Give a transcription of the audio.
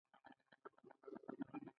سپوږمۍ دریه وهي